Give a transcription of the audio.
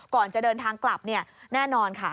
ก่อนจะเดินทางกลับแน่นอนค่ะ